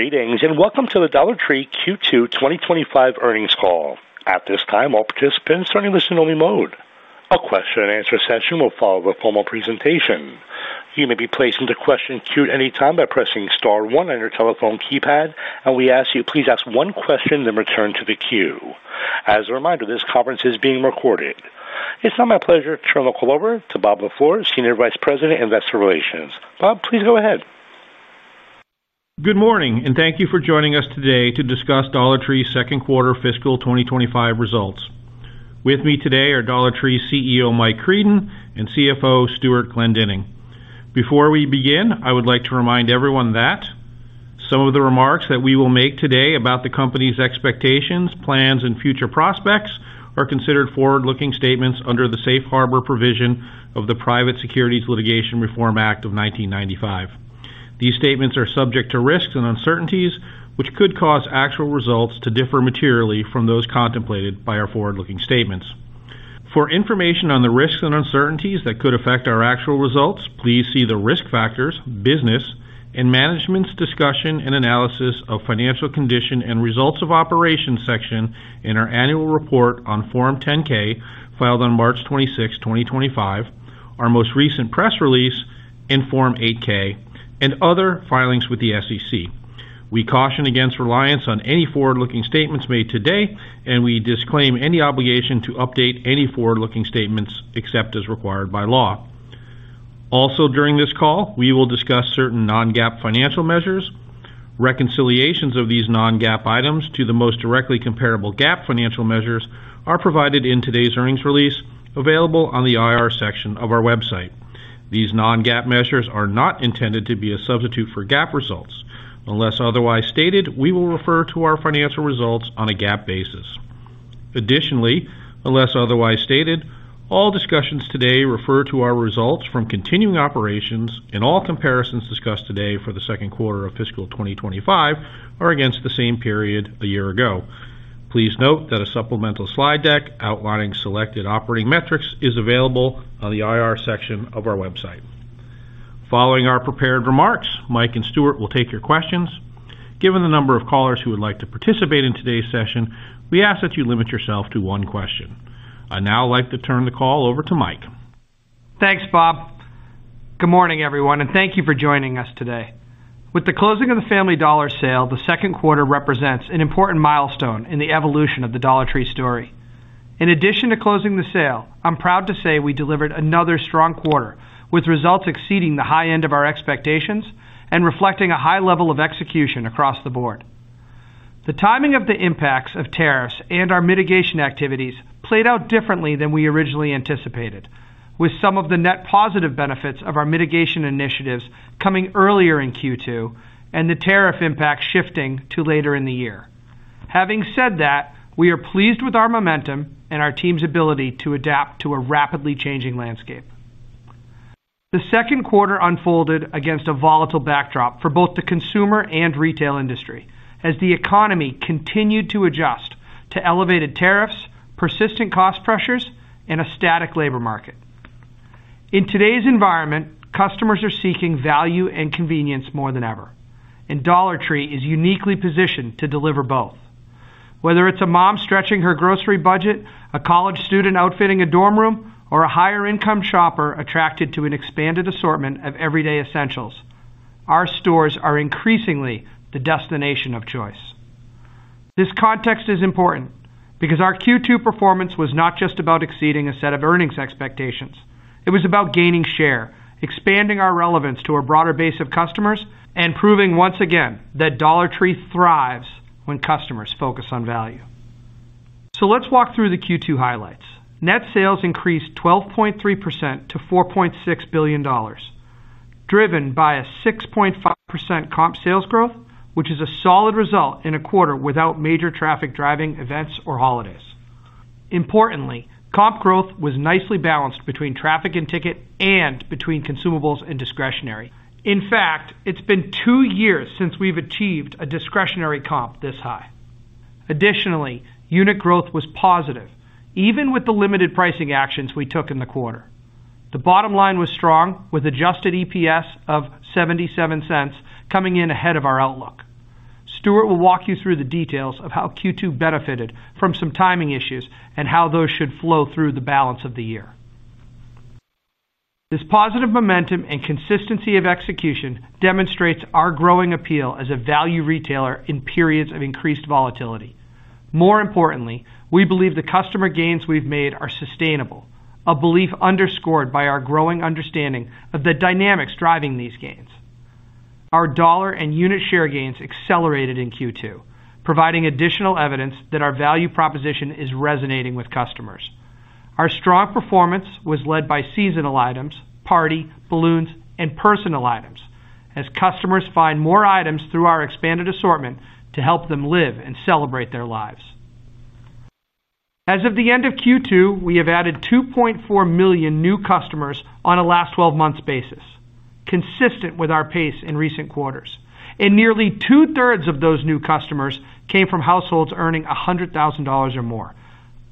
Greetings and welcome to the Dollar Tree Q2 2025 Earnings Call. At this time, all participants are in a listen-only mode. A question and answer session will follow the formal presentation. You may be placed into question queue at any time by pressing star one on your telephone keypad, and we ask you to please ask one question and then return to the queue. As a reminder, this conference is being recorded. It's now my pleasure to turn the call over to Bob LaFleur, Senior Vice President, Investor Relations. Bob, please go ahead. Good morning, and thank you for joining us today to discuss Dollar Tree's Second Quarter Fiscal 2025 Results. With me today are Dollar Tree's CEO, Mike Creedon, and CFO, Stuart Glendinning. Before we begin, I would like to remind everyone that some of the remarks that we will make today about the company's expectations, plans, and future prospects are considered forward-looking statements under the Safe Harbor provision of the Private Securities Litigation Reform Act of 1995. These statements are subject to risks and uncertainties, which could cause actual results to differ materially from those contemplated by our forward-looking statements. For information on the risks and uncertainties that could affect our actual results, please see the risk factors, business, and management's discussion and analysis of financial condition and results of operations section in our annual report on Form 10-K filed on March 26, 2025, our most recent press release in Form 8-K, and other filings with the SEC. We caution against reliance on any forward-looking statements made today, and we disclaim any obligation to update any forward-looking statements except as required by law. Also, during this call, we will discuss certain non-GAAP financial measures. Reconciliations of these non-GAAP items to the most directly comparable GAAP financial measures are provided in today's earnings release, available on the IR section of our website. These non-GAAP measures are not intended to be a substitute for GAAP results. Unless otherwise stated, we will refer to our financial results on a GAAP basis. Additionally, unless otherwise stated, all discussions today refer to our results from continuing operations, and all comparisons discussed today for the second quarter of fiscal 2025 are against the same period a year ago. Please note that a supplemental slide deck outlining selected operating metrics is available on the IR section of our website. Following our prepared remarks, Mike and Stuart will take your questions. Given the number of callers who would like to participate in today's session, we ask that you limit yourself to one question. I now like to turn the call over to Mike. Thanks, Bob. Good morning, everyone, and thank you for joining us today. With the closing of the Family Dollar sale, the second quarter represents an important milestone in the evolution of the Dollar Tree story. In addition to closing the sale, I'm proud to say we delivered another strong quarter, with results exceeding the high end of our expectations and reflecting a high level of execution across the board. The timing of the impacts of tariffs and our mitigation activities played out differently than we originally anticipated, with some of the net positive benefits of our mitigation initiatives coming earlier in Q2 and the tariff impacts shifting to later in the year. Having said that, we are pleased with our momentum and our team's ability to adapt to a rapidly changing landscape. The second quarter unfolded against a volatile backdrop for both the consumer and retail industry, as the economy continued to adjust to elevated tariffs, persistent cost pressures, and a static labor market. In today's environment, customers are seeking value and convenience more than ever, and Dollar Tree is uniquely positioned to deliver both. Whether it's a mom stretching her grocery budget, a college student outfitting a dorm room, or a higher-income shopper attracted to an expanded assortment of everyday essentials, our stores are increasingly the destination of choice. This context is important because our Q2 performance was not just about exceeding a set of earnings expectations. It was about gaining share, expanding our relevance to a broader base of customers, and proving once again that Dollar Tree thrives when customers focus on value. Let's walk through the Q2 highlights. Net sales increased 12.3% to $4.6 billion, driven by a 6.5% comp sales growth, which is a solid result in a quarter without major traffic driving events or holidays. Importantly, comp growth was nicely balanced between traffic and ticket and between consumables and discretionary. In fact, it's been two years since we've achieved a discretionary comp this high. Additionally, unit growth was positive, even with the limited pricing actions we took in the quarter. The bottom line was strong, with adjusted EPS of $0.77 coming in ahead of our outlook. Stuart will walk you through the details of how Q2 benefited from some timing issues and how those should flow through the balance of the year. This positive momentum and consistency of execution demonstrates our growing appeal as a value retailer in periods of increased volatility. More importantly, we believe the customer gains we've made are sustainable, a belief underscored by our growing understanding of the dynamics driving these gains. Our dollar and unit share gains accelerated in Q2, providing additional evidence that our value proposition is resonating with customers. Our strong performance was led by seasonal items, party, balloons, and personal items, as customers find more items through our expanded assortment to help them live and celebrate their lives. As of the end of Q2, we have added 2.4 million new customers on a last 12 months basis, consistent with our pace in recent quarters. Nearly two thirds of those new customers came from households earning $100,000 or more.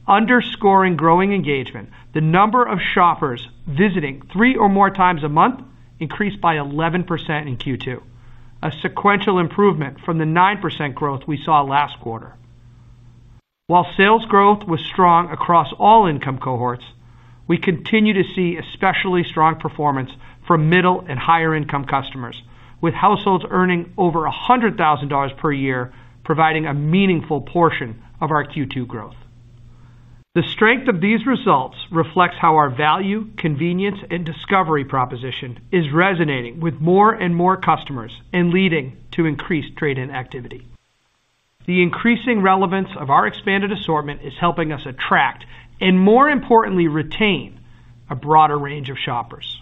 Underscoring growing engagement, the number of shoppers visiting three or more times a month increased by 11% in Q2, a sequential improvement from the 9% growth we saw last quarter. While sales growth was strong across all income cohorts, we continue to see especially strong performance from middle and higher income customers, with households earning over $100,000 per year providing a meaningful portion of our Q2 growth. The strength of these results reflects how our value, convenience, and discovery proposition is resonating with more and more customers and leading to increased trade-in activity. The increasing relevance of our expanded assortment is helping us attract and, more importantly, retain a broader range of shoppers.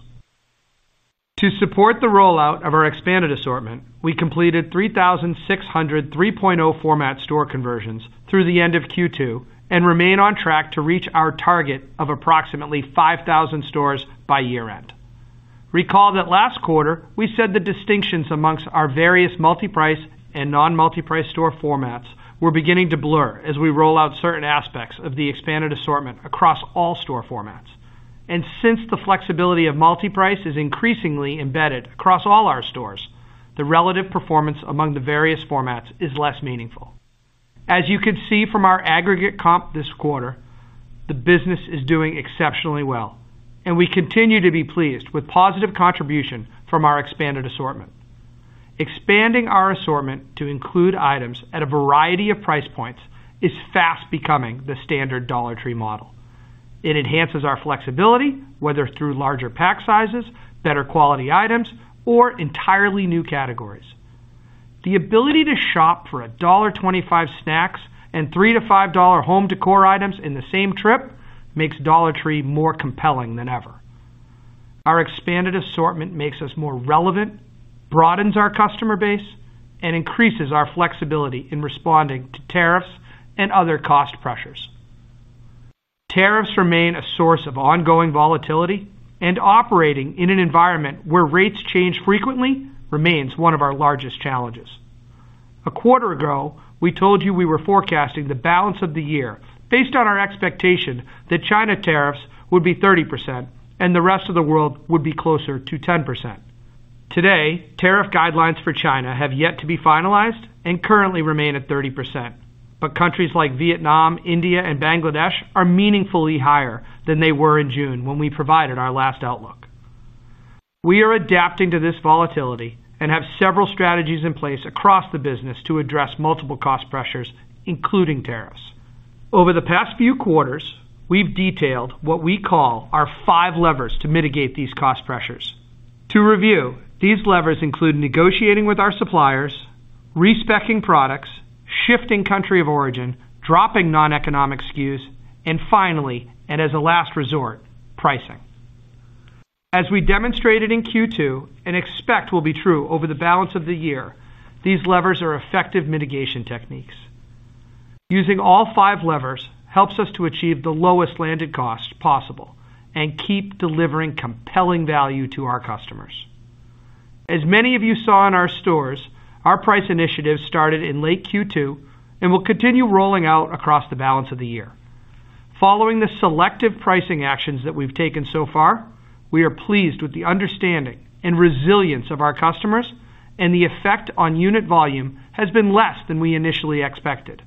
To support the rollout of our expanded assortment, we completed 3,600 3.0 format store conversions through the end of Q2 and remain on track to reach our target of approximately 5,000 stores by year-end. Recall that last quarter, we said the distinctions amongst our various multi-price and non-multi-price store formats were beginning to blur as we roll out certain aspects of the expanded assortment across all store formats. Since the flexibility of multi-price is increasingly embedded across all our stores, the relative performance among the various formats is less meaningful. As you can see from our aggregate comp this quarter, the business is doing exceptionally well, and we continue to be pleased with positive contribution from our expanded assortment. Expanding our assortment to include items at a variety of price points is fast becoming the standard Dollar Tree model. It enhances our flexibility, whether through larger pack sizes, better quality items, or entirely new categories. The ability to shop for a $1.25 snack and $3-$5 home decor items in the same trip makes Dollar Tree more compelling than ever. Our expanded assortment makes us more relevant, broadens our customer base, and increases our flexibility in responding to tariffs and other cost pressures. Tariffs remain a source of ongoing volatility, and operating in an environment where rates change frequently remains one of our largest challenges. A quarter ago, we told you we were forecasting the balance of the year based on our expectation that China tariffs would be 30% and the rest of the world would be closer to 10%. Today, tariff guidelines for China have yet to be finalized and currently remain at 30%, but countries like Vietnam, India, and Bangladesh are meaningfully higher than they were in June when we provided our last outlook. We are adapting to this volatility and have several strategies in place across the business to address multiple cost pressures, including tariffs. Over the past few quarters, we've detailed what we call our five levers to mitigate these cost pressures. To review, these levers include negotiating with our suppliers, respeccing products, shifting country of origin, dropping non-economic SKUs, and finally, and as a last resort, pricing. As we demonstrated in Q2 and expect will be true over the balance of the year, these levers are effective mitigation techniques. Using all five levers helps us to achieve the lowest landing cost possible and keep delivering compelling value to our customers. As many of you saw in our stores, our price initiative started in late Q2 and will continue rolling out across the balance of the year. Following the selective pricing actions that we've taken so far, we are pleased with the understanding and resilience of our customers, and the effect on unit volume has been less than we initially expected.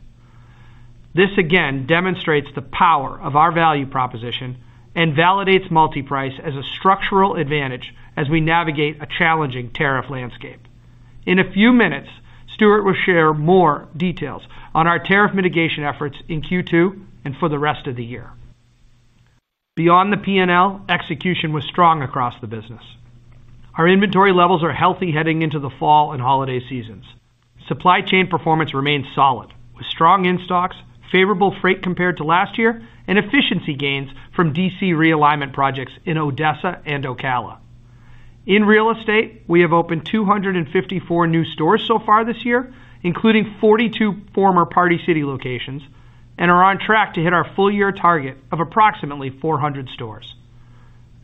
This again demonstrates the power of our value proposition and validates multi-price as a structural advantage as we navigate a challenging tariff landscape. In a few minutes, Stuart will share more details on our tariff mitigation efforts in Q2 and for the rest of the year. Beyond the P&L, execution was strong across the business. Our inventory levels are healthy heading into the fall and holiday seasons. Supply chain performance remains solid, with strong in-stocks, favorable freight compared to last year, and efficiency gains from DC realignment projects in Odessa and Ocala. In real estate, we have opened 254 new stores so far this year, including 42 former Party City locations, and are on track to hit our full-year target of approximately 400 stores.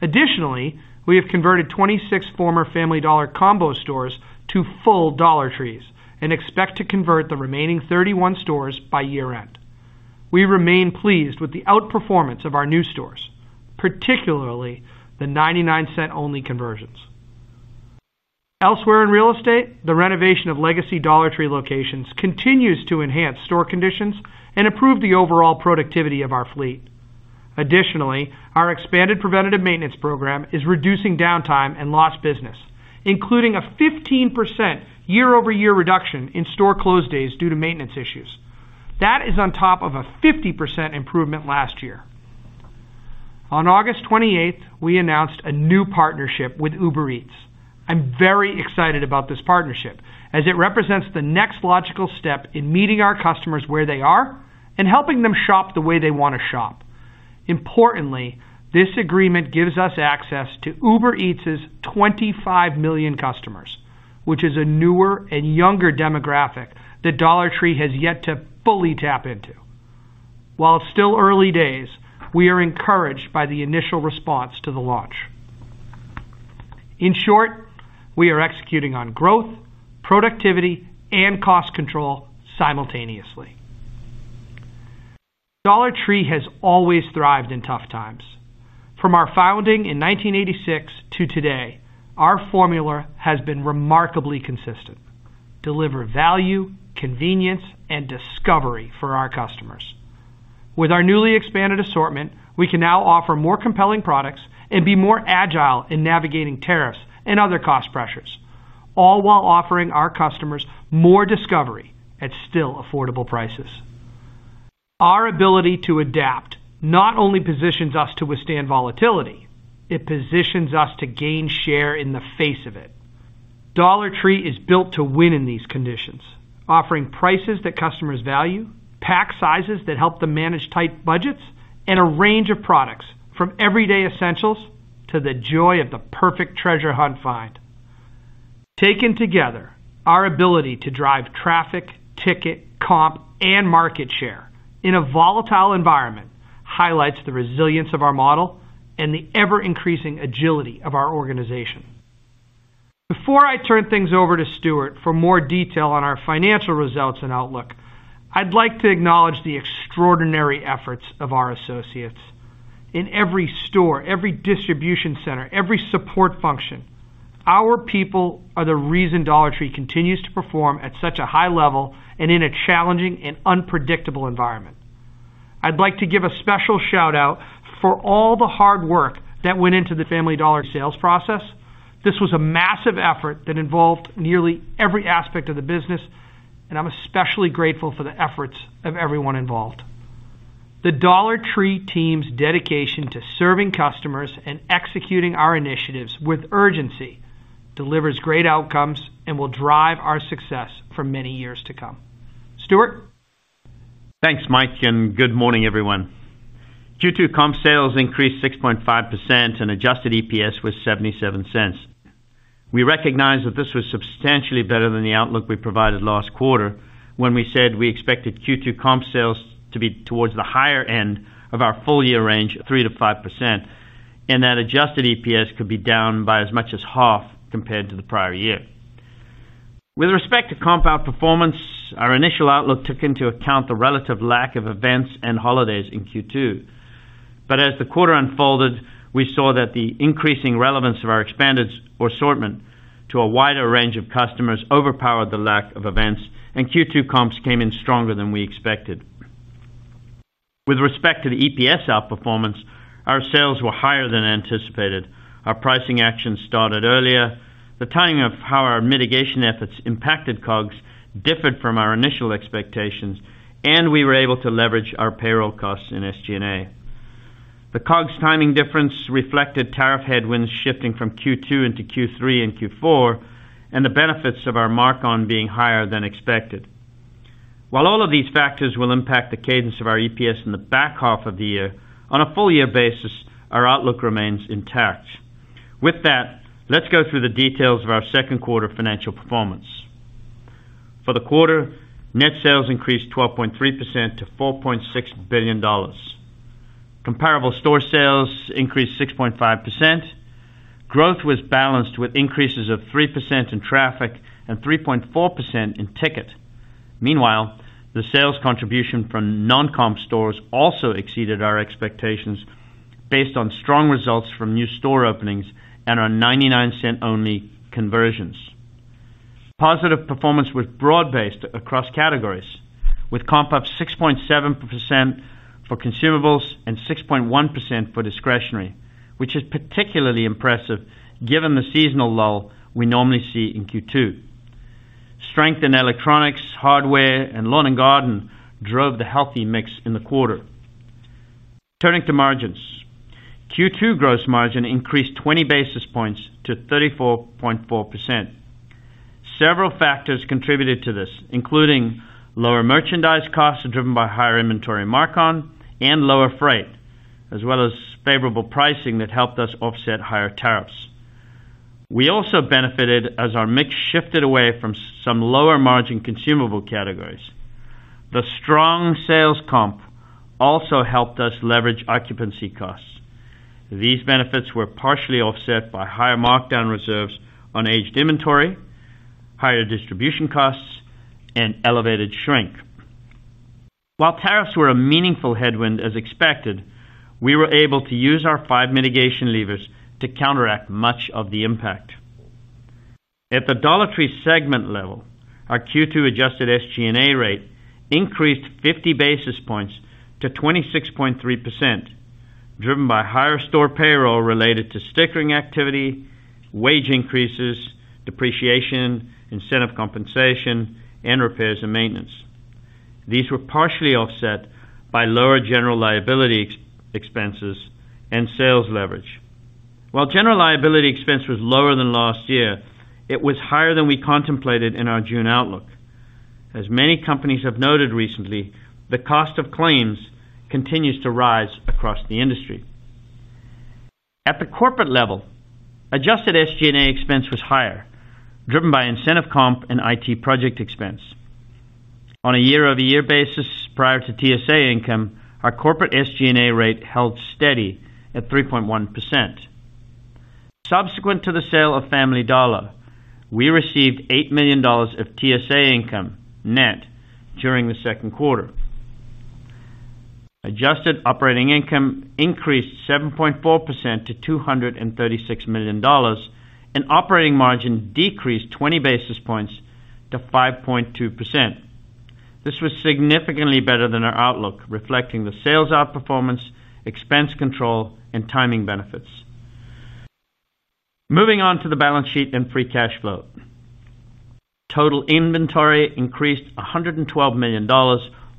Additionally, we have converted 26 former Family Dollar combo stores to full Dollar Tree stores and expect to convert the remaining 31 stores by year-end. We remain pleased with the outperformance of our new stores, particularly the $0.99 only conversions. Elsewhere in real estate, the renovation of legacy Dollar Tree locations continues to enhance store conditions and improve the overall productivity of our fleet. Additionally, our expanded preventative maintenance program is reducing downtime and lost business, including a 15% year-over-year reduction in store close days due to maintenance issues. That is on top of a 50% improvement last year. On August 28, we announced a new partnership with Uber Eats. I'm very excited about this partnership, as it represents the next logical step in meeting our customers where they are and helping them shop the way they want to shop. Importantly, this agreement gives us access to Uber Eats' 25 million customers, which is a newer and younger demographic that Dollar Tree has yet to fully tap into. While it's still early days, we are encouraged by the initial response to the launch. In short, we are executing on growth, productivity, and cost control simultaneously. Dollar Tree has always thrived in tough times. From our founding in 1986 to today, our formula has been remarkably consistent: deliver value, convenience, and discovery for our customers. With our newly expanded assortment, we can now offer more compelling products and be more agile in navigating tariffs and other cost pressures, all while offering our customers more discovery at still affordable prices. Our ability to adapt not only positions us to withstand volatility, it positions us to gain share in the face of it. Dollar Tree is built to win in these conditions, offering prices that customers value, pack sizes that help them manage tight budgets, and a range of products from everyday essentials to the joy of the perfect treasure hunt find. Taken together, our ability to drive traffic, ticket, comp, and market share in a volatile environment highlights the resilience of our model and the ever-increasing agility of our organization. Before I turn things over to Stuart for more detail on our financial results and outlook, I'd like to acknowledge the extraordinary efforts of our associates. In every store, every distribution center, every support function, our people are the reason Dollar Tree continues to perform at such a high level and in a challenging and unpredictable environment. I'd like to give a special shout-out for all the hard work that went into the Family Dollar sales process. This was a massive effort that involved nearly every aspect of the business, and I'm especially grateful for the efforts of everyone involved. The Dollar Tree team's dedication to serving customers and executing our initiatives with urgency delivers great outcomes and will drive our success for many years to come. Stuart? Thanks, Mike, and good morning, everyone. Q2 comp sales increased 6.5% and adjusted EPS was $0.77. We recognize that this was substantially better than the outlook we provided last quarter when we said we expected Q2 comp sales to be towards the higher end of our full-year range, 3%-5%, and that adjusted EPS could be down by as much as half compared to the prior year. With respect to comp outperformance, our initial outlook took into account the relative lack of events and holidays in Q2. As the quarter unfolded, we saw that the increasing relevance of our expanded assortment to a wider range of customers overpowered the lack of events, and Q2 comps came in stronger than we expected. With respect to the EPS outperformance, our sales were higher than anticipated. Our pricing actions started earlier. The timing of how our mitigation efforts impacted COGS differed from our initial expectations, and we were able to leverage our payroll costs in SG&A. The COGS timing difference reflected tariff headwinds shifting from Q2 into Q3 and Q4, and the benefits of our mark-on being higher than expected. While all of these factors will impact the cadence of our EPS in the back half of the year, on a full-year basis, our outlook remains intact. With that, let's go through the details of our second quarter financial performance. For the quarter, net sales increased 12.3% to $4.6 billion. Comparable store sales increased 6.5%. Growth was balanced with increases of 3% in traffic and 3.4% in ticket. Meanwhile, the sales contribution from non-comp stores also exceeded our expectations based on strong results from new store openings and our $0.99 only conversions. Positive performance was broad-based across categories, with comp up 6.7% for consumables and 6.1% for discretionary, which is particularly impressive given the seasonal lull we normally see in Q2. Strength in electronics, hardware, and lawn and garden drove the healthy mix in the quarter. Turning to margins, Q2 gross margin increased 20 basis points to 34.4%. Several factors contributed to this, including lower merchandise costs driven by higher inventory mark-on and lower freight, as well as favorable pricing that helped us offset higher tariffs. We also benefited as our mix shifted away from some lower margin consumable categories. The strong sales comp also helped us leverage occupancy costs. These benefits were partially offset by higher markdown reserves on aged inventory, higher distribution costs, and elevated shrink. While tariffs were a meaningful headwind as expected, we were able to use our five mitigation levers to counteract much of the impact. At the Dollar Tree segment level, our Q2 adjusted SG&A rate increased 50 basis points to 26.3%, driven by higher store payroll related to stickering activity, wage increases, depreciation, incentive compensation, and repairs and maintenance. These were partially offset by lower general liability expenses and sales leverage. While general liability expense was lower than last year, it was higher than we contemplated in our June outlook. As many companies have noted recently, the cost of claims continues to rise across the industry. At the corporate level, adjusted SG&A expense was higher, driven by incentive comp and IT project expense. On a year-over-year basis prior to TSA income, our corporate SG&A rate held steady at 3.1%. Subsequent to the sale of Family Dollar, we received $8 million of TSA income net during the second quarter. Adjusted operating income increased 7.4% to $236 million, and operating margin decreased 20 basis points to 5.2%. This was significantly better than our outlook, reflecting the sales outperformance, expense control, and timing benefits. Moving on to the balance sheet and free cash flow. Total inventory increased $112 million,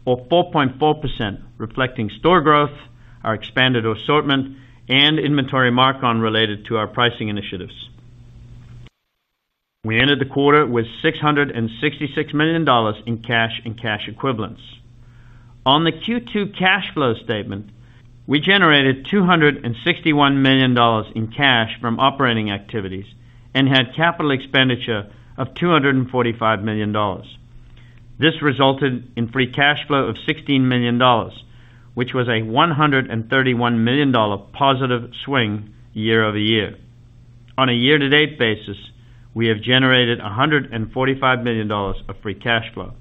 or 4.4%, reflecting store growth, our expanded assortment, and inventory mark-on related to our pricing initiatives. We ended the quarter with $666 million in cash and cash equivalents. On the Q2 cash flow statement, we generated $261 million in cash from operating activities and had a capital expenditure of $245 million. This resulted in free cash flow of $16 million, which was a $131 million positive swing year-over-year. On a year-to-date basis, we have generated $145 million of free cash flow.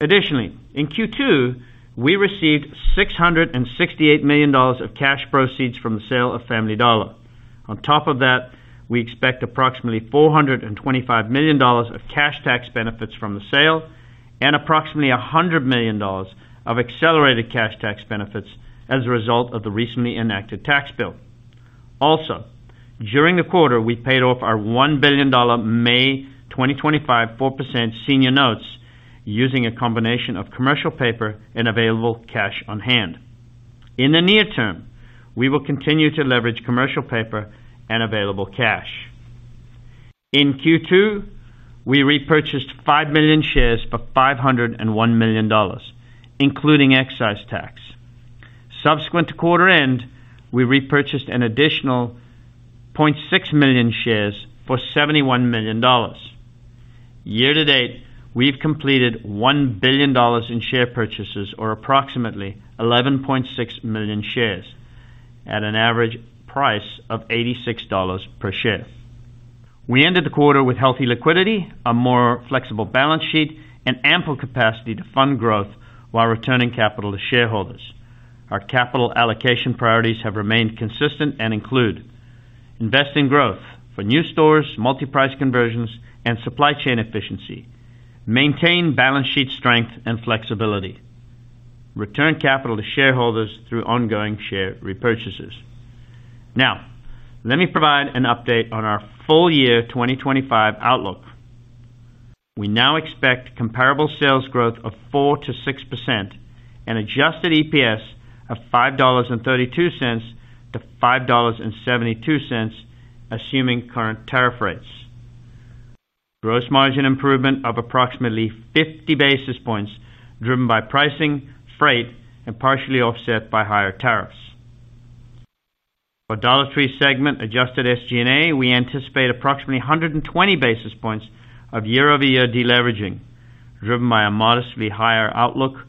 Additionally, in Q2, we received $668 million of cash proceeds from the sale of Family Dollar. On top of that, we expect approximately $425 million of cash tax benefits from the sale and approximately $100 million of accelerated cash tax benefits as a result of the recently enacted tax bill. Also, during the quarter, we paid off our $1 billion May 2025 4% senior notes using a combination of commercial paper and available cash on hand. In the near term, we will continue to leverage commercial paper and available cash. In Q2, we repurchased 5 million shares for $501 million, including excise tax. Subsequent to quarter end, we repurchased an additional 0.6 million shares for $71 million. Year to date, we've completed $1 billion in share purchases, or approximately 11.6 million shares at an average price of $86 per share. We ended the quarter with healthy liquidity, a more flexible balance sheet, and ample capacity to fund growth while returning capital to shareholders. Our capital allocation priorities have remained consistent and include invest in growth for new stores, multi-price conversions, and supply chain efficiency, maintain balance sheet strength and flexibility, and return capital to shareholders through ongoing share repurchases. Now, let me provide an update on our full-year 2025 outlook. We now expect comparable sales growth of 4%-6% and adjusted EPS of $5.32-$5.72, assuming current tariff rates. Gross margin improvement of approximately 50 basis points, driven by pricing, freight, and partially offset by higher tariffs. For Dollar Tree segment adjusted SG&A, we anticipate approximately 120 basis points of year-over-year deleveraging, driven by a modestly higher outlook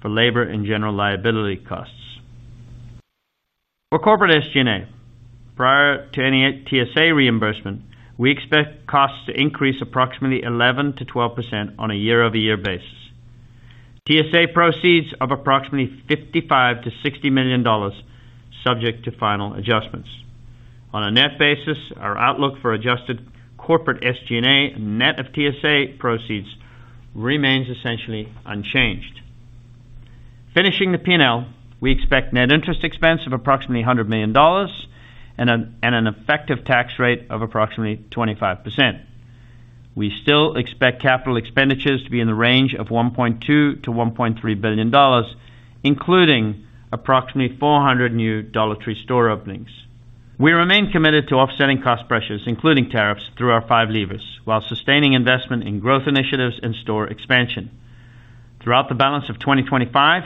for labor and general liability costs. For corporate SG&A, prior to any TSA reimbursement, we expect costs to increase approximately 11%-12% on a year-over-year basis. TSA proceeds of approximately $55 million-$60 million subject to final adjustments. On a net basis, our outlook for adjusted corporate SG&A and net of TSA proceeds remains essentially unchanged. Finishing the P&L, we expect net interest expense of approximately $100 million and an effective tax rate of approximately 25%. We still expect capital expenditures to be in the range of $1.2 billion-$1.3 billion, including approximately 400 new Dollar Tree store openings. We remain committed to offsetting cost pressures, including tariffs, through our five levers, while sustaining investment in growth initiatives and store expansion. Throughout the balance of 2025,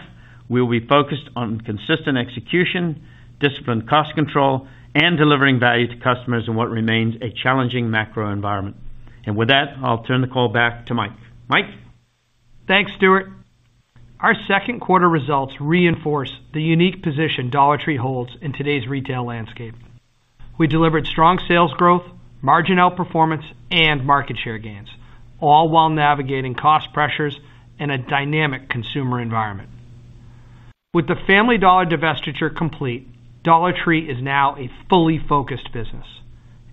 we will be focused on consistent execution, disciplined cost control, and delivering value to customers in what remains a challenging macro environment. With that, I'll turn the call back to Mike. Mike? Thanks, Stuart. Our second quarter results reinforce the unique position Dollar Tree holds in today's retail landscape. We delivered strong sales growth, margin performance, and market share gains, all while navigating cost pressures in a dynamic consumer environment. With the Family Dollar divestiture complete, Dollar Tree is now a fully focused business.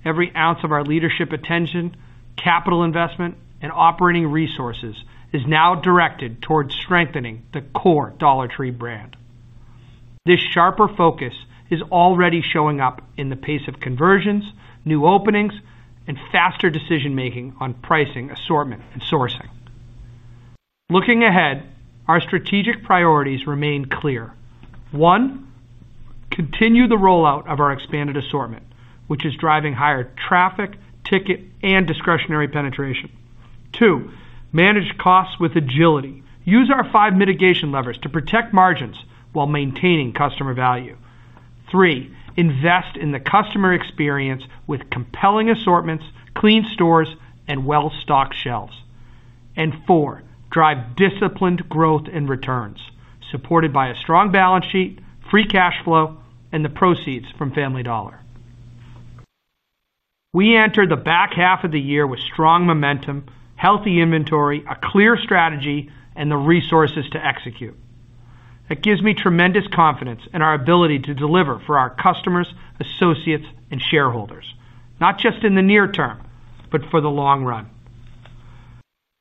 Every ounce of our leadership attention, capital investment, and operating resources is now directed towards strengthening the core Dollar Tree brand. This sharper focus is already showing up in the pace of conversions, new openings, and faster decision-making on pricing, assortment, and sourcing. Looking ahead, our strategic priorities remain clear. One, continue the rollout of our expanded assortment, which is driving higher traffic, ticket, and discretionary penetration. Two, manage costs with agility. Use our five mitigation levers to protect margins while maintaining customer value. Three, invest in the customer experience with compelling assortments, clean stores, and well-stocked shelves. Four, drive disciplined growth and returns, supported by a strong balance sheet, free cash flow, and the proceeds from Family Dollar. We enter the back half of the year with strong momentum, healthy inventory, a clear strategy, and the resources to execute. That gives me tremendous confidence in our ability to deliver for our customers, associates, and shareholders, not just in the near term, but for the long run.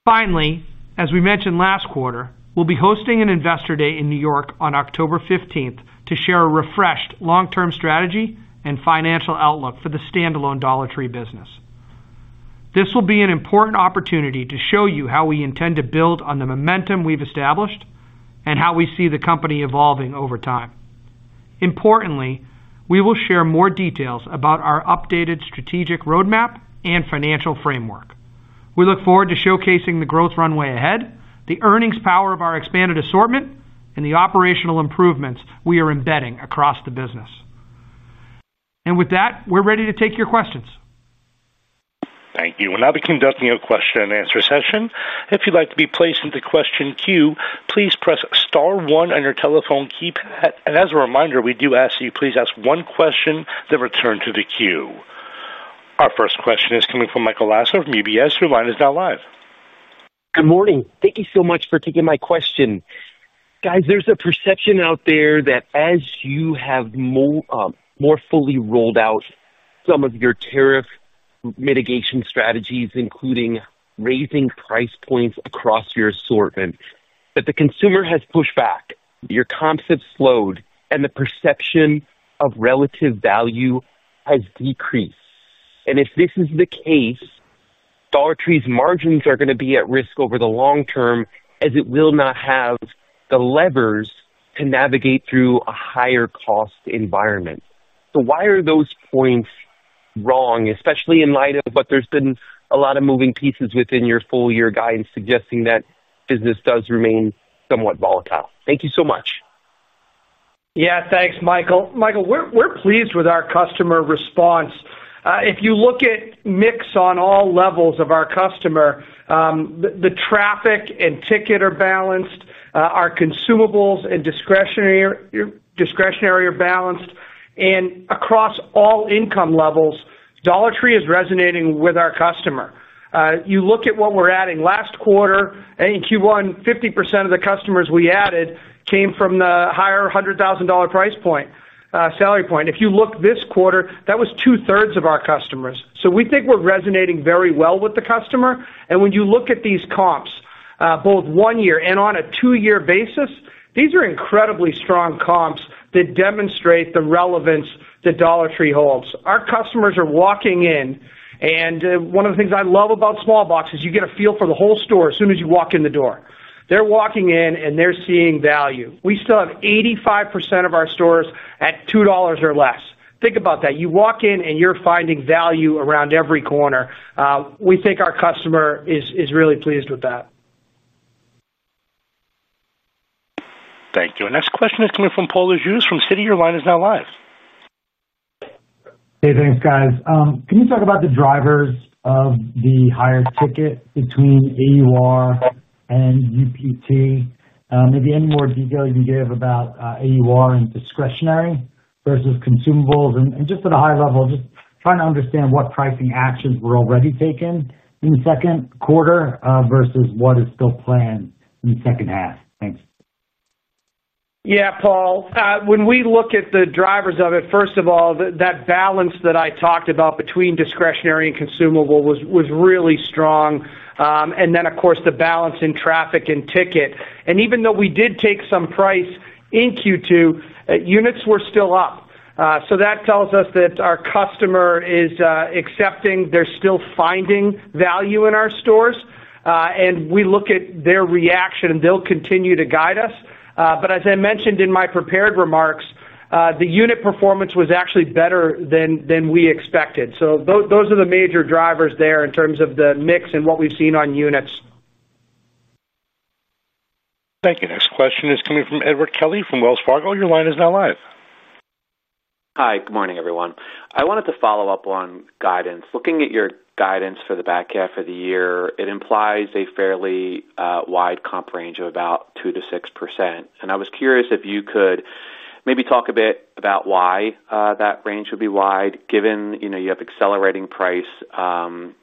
Finally, as we mentioned last quarter, we'll be hosting an investor day in New York on October 15th to share a refreshed long-term strategy and financial outlook for the standalone Dollar Tree business. This will be an important opportunity to show you how we intend to build on the momentum we've established and how we see the company evolving over time. Importantly, we will share more details about our updated strategic roadmap and financial framework. We look forward to showcasing the growth runway ahead, the earnings power of our expanded assortment, and the operational improvements we are embedding across the business. With that, we're ready to take your questions. Thank you. We'll now be conducting a question-and-answer session. If you'd like to be placed into the question queue, please press star one on your telephone keypad. As a reminder, we do ask that you please ask one question and then return to the queue. Our first question is coming from Michael Lasser from UBS, your line is now live. Good morning. Thank you so much for taking my question. Guys, there's a perception out there that as you have more fully rolled out some of your tariff mitigation strategies, including raising price points across your assortment, that the consumer has pushed back, your comps have slowed, and the perception of relative value has decreased. If this is the case, Dollar Tree's margins are going to be at risk over the long term as it will not have the levers to navigate through a higher cost environment. Why are those points wrong, especially in light of what there's been a lot of moving pieces within your full-year guidance suggesting that business does remain somewhat volatile? Thank you so much. Yeah, thanks, Michael. Michael, we're pleased with our customer response. If you look at mix on all levels of our customer, the traffic and ticket are balanced. Our consumables and discretionary are balanced. Across all income levels, Dollar Tree is resonating with our customer. You look at what we're adding last quarter, in Q1, 50% of the customers we added came from the higher $100,000 price point, salary point. If you look this quarter, that was two thirds of our customers. We think we're resonating very well with the customer. When you look at these comps, both one-year and on a two-year basis, these are incredibly strong comps that demonstrate the relevance that Dollar Tree holds. Our customers are walking in, and one of the things I love about SmallBox is you get a feel for the whole store as soon as you walk in the door. They're walking in and they're seeing value. We still have 85% of our stores at $2 or less. Think about that. You walk in and you're finding value around every corner. We think our customer is really pleased with that. Thank you. Our next question is coming from Paul Lejuez from Citi. Your line is now live. Hey, thanks, guys. Can you talk about the drivers of the higher ticket between AUR and UPT? Maybe any more detail you can give about AUR and discretionary versus consumables? At a high level, just trying to understand what pricing actions were already taken in the second quarter versus what is still planned in the second half. Thanks. Yeah, Paul. When we look at the drivers of it, first of all, that balance that I talked about between discretionary and consumable was really strong. The balance in traffic and ticket was also strong. Even though we did take some price in Q2, units were still up. That tells us that our customer is accepting they're still finding value in our stores. We look at their reaction, and they'll continue to guide us. As I mentioned in my prepared remarks, the unit performance was actually better than we expected. Those are the major drivers there in terms of the mix and what we've seen on units. Thank you. Next question is coming from Edward Kelly from Wells Fargo. Your line is now live. Hi, good morning, everyone. I wanted to follow up on guidance. Looking at your guidance for the back half of the year, it implies a fairly wide comp range of about 2%-6%. I was curious if you could maybe talk a bit about why that range would be wide, given you know you have accelerating price.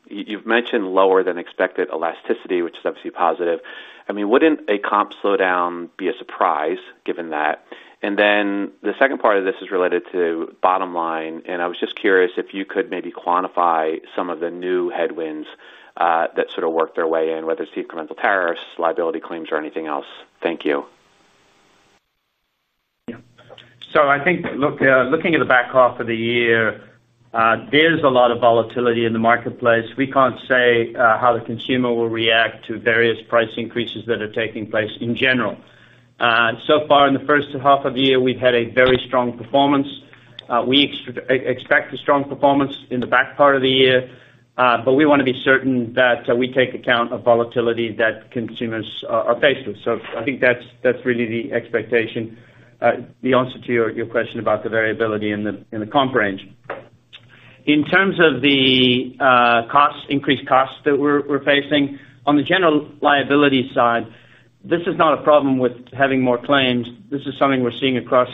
You've mentioned lower than expected elasticity, which is obviously positive. I mean, wouldn't a comp slowdown be a surprise given that? The second part of this is related to bottom line. I was just curious if you could maybe quantify some of the new headwinds that sort of work their way in, whether it's the incremental tariffs, liability claims, or anything else. Thank you. Yeah. I think looking at the back half of the year, there's a lot of volatility in the marketplace. We can't say how the consumer will react to various price increases that are taking place in general. So far, in the first half of the year, we've had a very strong performance. We expect a strong performance in the back part of the year, but we want to be certain that we take account of volatility that consumers are faced with. I think that's really the expectation, the answer to your question about the variability in the comp range. In terms of the increased costs that we're facing, on the general liability side, this is not a problem with having more claims. This is something we're seeing across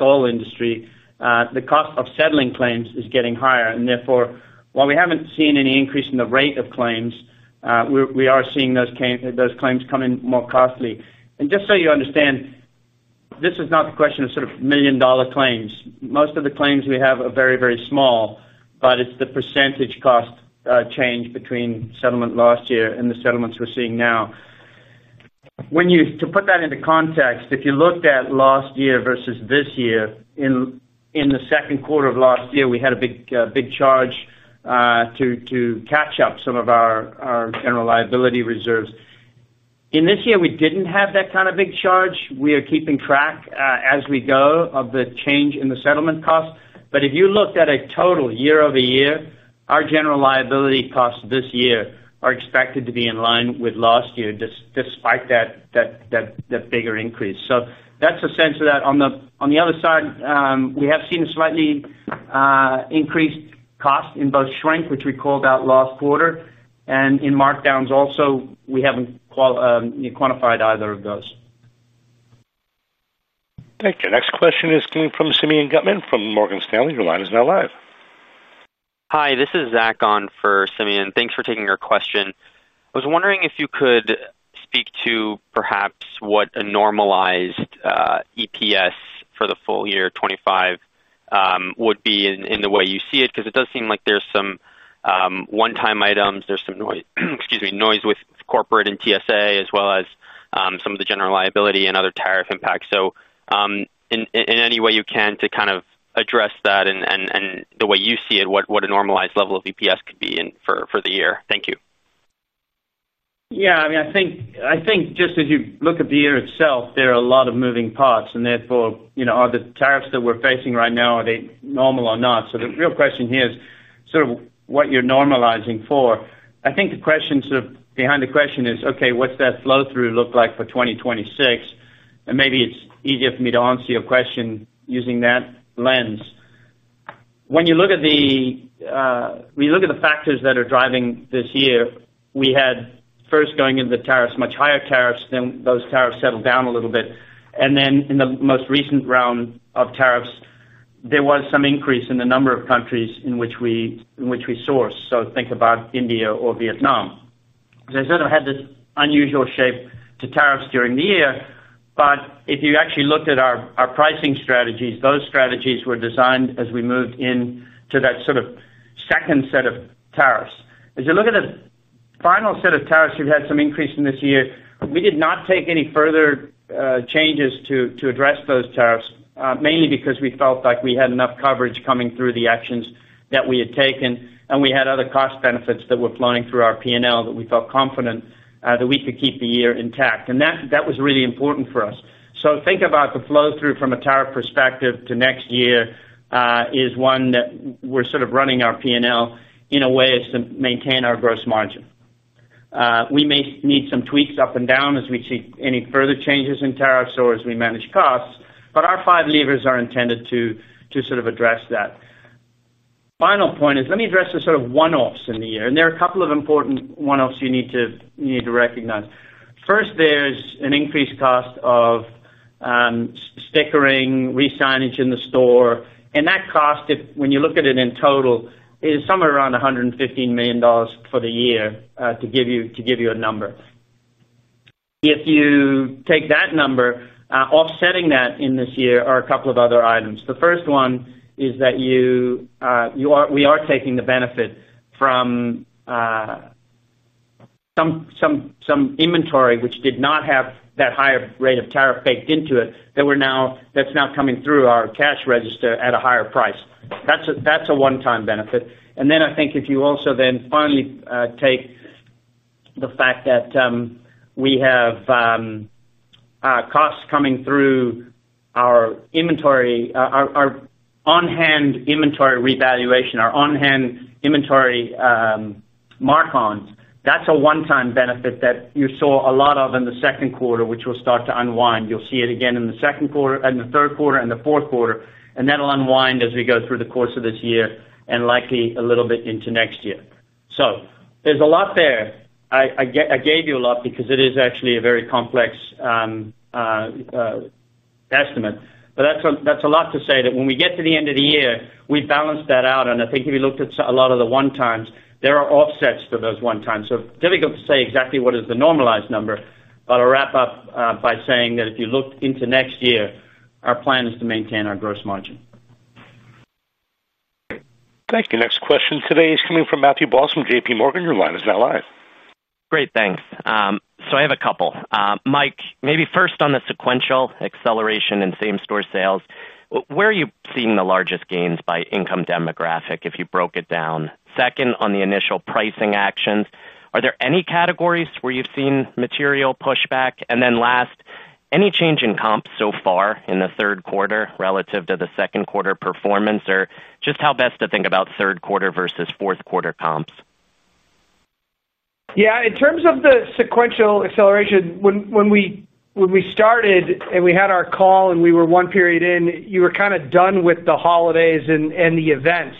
all industries. The cost of settling claims is getting higher. Therefore, while we haven't seen any increase in the rate of claims, we are seeing those claims come in more costly. Just so you understand, this is not a question of sort of million-dollar claims. Most of the claims we have are very, very small, but it's the percentage cost change between settlement last year and the settlements we're seeing now. To put that into context, if you looked at last year versus this year, in the second quarter of last year, we had a big charge to catch up some of our general liability reserves. In this year, we didn't have that kind of big charge. We are keeping track as we go of the change in the settlement costs. If you looked at a total year-over-year, our general liability costs this year are expected to be in line with last year, despite that bigger increase. That's a sense of that. On the other side, we have seen a slightly increased cost in both shrink, which we called out last quarter, and in markdowns also. We haven't quantified either of those. Thank you. Next question is coming from Simeon Gutman from Morgan Stanley. Your line is now live. Hi, this is Zach on for Simeon. Thanks for taking my question. I was wondering if you could speak to perhaps what a normalized EPS for the full year 2025 would be in the way you see it, because it does seem like there's some one-time items, there's some noise with corporate and TSA, as well as some of the general liability and other tariff impacts. In any way you can to kind of address that and the way you see it, what a normalized level of EPS could be in for the year. Thank you. Yeah, I mean, I think just as you look at the year itself, there are a lot of moving parts, and therefore, you know, are the tariffs that we're facing right now, are they normal or not? The real question here is sort of what you're normalizing for. I think the question sort of behind the question is, okay, what's that flow-through look like for 2026? Maybe it's easier for me to answer your question using that lens. When you look at the factors that are driving this year, we had, first, going into the tariffs, much higher tariffs, then those tariffs settled down a little bit. In the most recent round of tariffs, there was some increase in the number of countries in which we sourced. Think about India or Vietnam. It sort of had this unusual shape to tariffs during the year. If you actually looked at our pricing strategies, those strategies were designed as we moved into that sort of second set of tariffs. As you look at the final set of tariffs, we've had some increase in this year. We did not take any further changes to address those tariffs, mainly because we felt like we had enough coverage coming through the actions that we had taken, and we had other cost benefits that were flowing through our P&L that we felt confident that we could keep the year intact. That was really important for us. Think about the flow-through from a tariff perspective to next year as one that we're sort of running our P&L in a way to maintain our gross margin. We may need some tweaks up and down as we see any further changes in tariffs or as we manage costs, but our five levers are intended to sort of address that. Final point is let me address the sort of one-offs in the year, and there are a couple of important one-offs you need to recognize. First, there's an increased cost of stickering, resignage in the store, and that cost, when you look at it in total, is somewhere around $115 million for the year, to give you a number. If you take that number, offsetting that in this year are a couple of other items. The first one is that we are taking the benefit from some inventory which did not have that higher rate of tariff baked into it, that's now coming through our cash register at a higher price. That's a one-time benefit. I think if you also then finally take the fact that we have costs coming through our inventory, our on-hand inventory revaluation, our on-hand inventory mark-ons, that's a one-time benefit that you saw a lot of in the second quarter, which will start to unwind. You'll see it again in the second quarter, in the third quarter, and the fourth quarter, and that'll unwind as we go through the course of this year and likely a little bit into next year. There's a lot there. I gave you a lot because it is actually a very complex estimate. That's a lot to say that when we get to the end of the year, we balance that out. I think if you looked at a lot of the one-times, there are offsets for those one-times. It's difficult to say exactly what is the normalized number. I'll wrap up by saying that if you look into next year, our plan is to maintain our gross margin. Thank you. Next question today is coming from Matthew Ball from JP Morgan. Your line is now live. Great, thanks. I have a couple. Mike, maybe first on the sequential acceleration in same-store sales. Where are you seeing the largest gains by income demographic if you broke it down? Second, on the initial pricing actions, are there any categories where you've seen material pushback? Last, any change in comps so far in the third quarter relative to the second quarter performance or just how best to think about third quarter versus fourth quarter comps? Yeah, in terms of the sequential acceleration, when we started and we had our call and we were one period in, you were kind of done with the holidays and the events.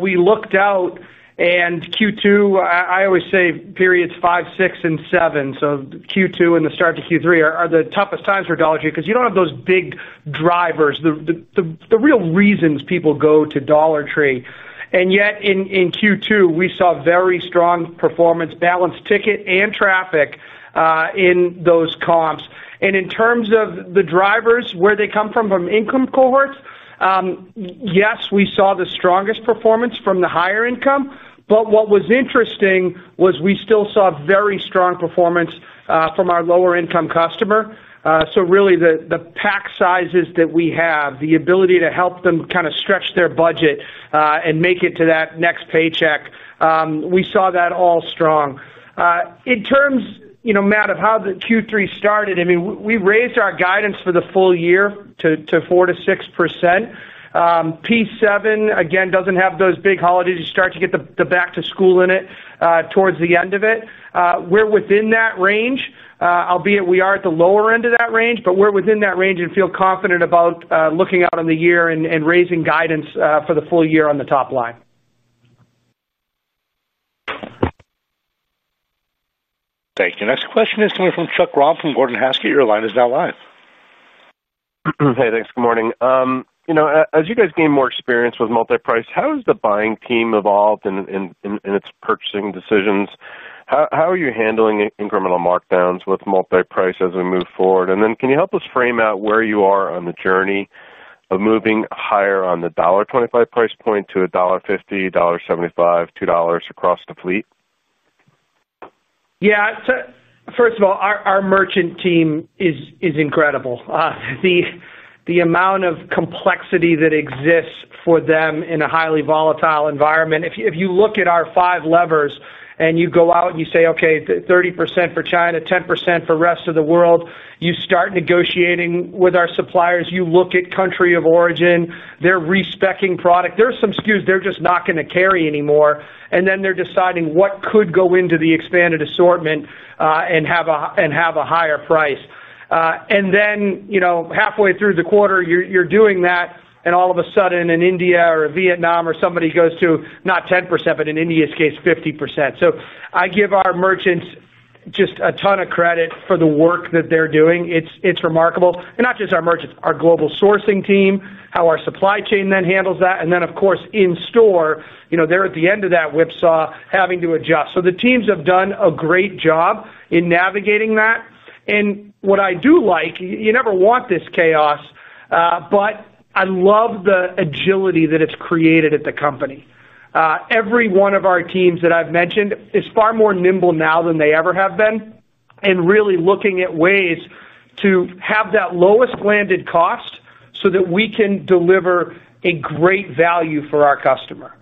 We looked out and Q2, I always say periods five, six, and seven. Q2 and the start to Q3 are the toughest times for Dollar Tree because you do not have those big drivers, the real reasons people go to Dollar Tree. Yet in Q2, we saw very strong performance, balanced ticket and traffic in those comps. In terms of the drivers, where they come from, from income cohorts, yes, we saw the strongest performance from the higher income. What was interesting was we still saw very strong performance from our lower-income customer. Really, the pack sizes that we have, the ability to help them kind of stretch their budget and make it to that next paycheck, we saw that all strong. In terms, you know, Matt, of how the Q3 started, I mean, we raised our guidance for the full year to 4%-6%. P7, again, does not have those big holidays. You start to get the back-to-school in it towards the end of it. We are within that range, albeit we are at the lower end of that range, but we are within that range and feel confident about looking out on the year and raising guidance for the full year on the top line. Thank you. Next question is coming from Chuck Roth from Gordon Haskett, your line is now live. Hey, thanks. Good morning. As you guys gain more experience with multi-price, how has the buying team evolved in its purchasing decisions? How are you handling incremental markdowns with multi-price as we move forward? Can you help us frame out where you are on the journey of moving higher on the $1.25 price point to $1.50, $1.75, $2 across the fleet? Yeah, so first of all, our merchant team is incredible. The amount of complexity that exists for them in a highly volatile environment, if you look at our five levers and you go out and you say, okay, 30% for China, 10% for the rest of the world, you start negotiating with our suppliers. You look at country-of-origin. They're respeccing product. There are some SKUs they're just not going to carry anymore. Then they're deciding what could go into the expanded assortment and have a higher price. You know, halfway through the quarter, you're doing that, and all of a sudden in India or Vietnam or somebody goes to not 10%, but in India's case, 50%. I give our merchants just a ton of credit for the work that they're doing. It's remarkable. Not just our merchants, our global sourcing team, how our supply chain then handles that. Of course, in store, they're at the end of that whipsaw having to adjust. The teams have done a great job in navigating that. What I do like, you never want this chaos, but I love the agility that it's created at the company. Every one of our teams that I've mentioned is far more nimble now than they ever have been and really looking at ways to have that lowest landed cost so that we can deliver a great value for our customer.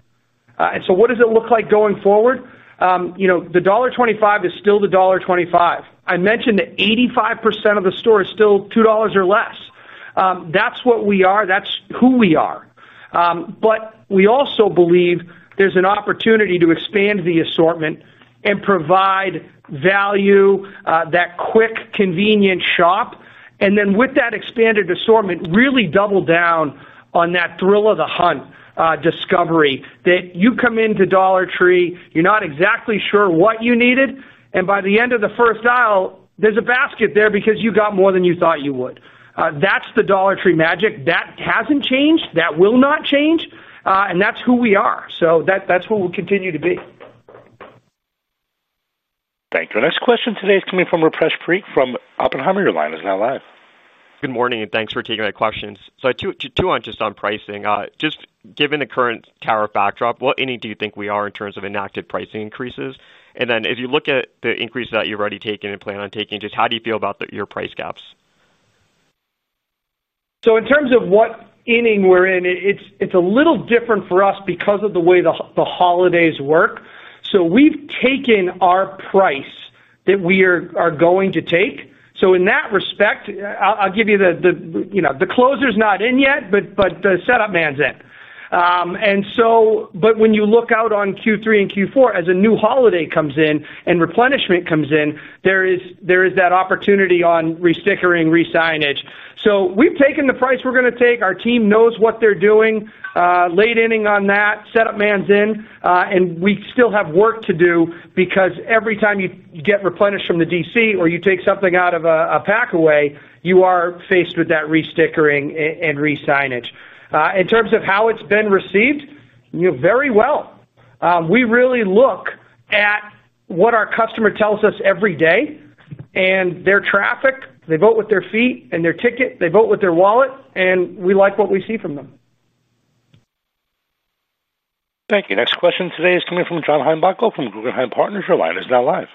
What does it look like going forward? The $1.25 is still the $1.25. I mentioned that 85% of the store is still $2 or less. That's what we are. That's who we are. We also believe there's an opportunity to expand the assortment and provide value, that quick, convenient shop. With that expanded assortment, really double down on that thrill of the hunt, discovery that you come into Dollar Tree, you're not exactly sure what you needed, and by the end of the first aisle, there's a basket there because you got more than you thought you would. That's the Dollar Tree magic. That hasn't changed. That will not change. That's who we are. That's what we'll continue to be. Thank you. Our next question today is coming from Rupesh Parikh from Oppenheimer. Your line is now live. Good morning, and thanks for taking my questions. I have two on just on pricing. Given the current tariff backdrop, what inning do you think we are in terms of enacted pricing increases? If you look at the increases that you've already taken and plan on taking, how do you feel about your price gaps? In terms of what inning we're in, it's a little different for us because of the way the holidays work. We've taken our price that we are going to take. In that respect, the closer's not in yet, but the setup man's in. When you look out on Q3 and Q4, as a new holiday comes in and replenishment comes in, there is that opportunity on restickering and resignage. We've taken the price we're going to take. Our team knows what they're doing. Late inning on that, setup man's in, and we still have work to do because every time you get replenished from the DC or you take something out of a pack away, you are faced with that restickering and resignage. In terms of how it's been received, very well. We really look at what our customer tells us every day and their traffic. They vote with their feet and their ticket. They vote with their wallet, and we like what we see from them. Thank you. Next question today is coming from John Heinbachel from Guggenheim Partners. Your line is now live.